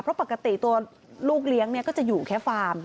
เพราะปกติตัวลูกเลี้ยงก็จะอยู่แค่ฟาร์ม